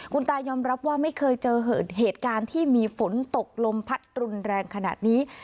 คุณตายอมรับว่าไม่เคยเจอเหตุการณ์ที่มีฝนตกลมพัดรุนแรงขนาดนี้